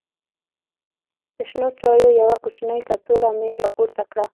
د شنو چایو یوه کوچنۍ کڅوړه مې راپورته کړه.